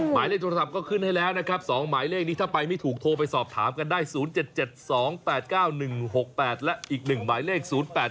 หมายเลขโทรศัพท์ก็ขึ้นให้แล้วนะครับ๒หมายเลขนี้ถ้าไปไม่ถูกโทรไปสอบถามกันได้๐๗๗๒๘๙๑๖๘และอีก๑หมายเลข๐๘๗